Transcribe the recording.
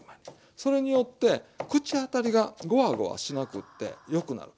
それによって口当たりがごわごわしなくってよくなる。